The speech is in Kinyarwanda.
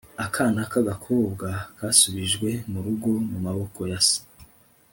akana k'agakobwa kasubijwe mu rugo mu maboko ya se